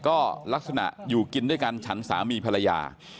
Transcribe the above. ก็ลักษณะอยู่กินด้วยกันฉันสามีภรรยา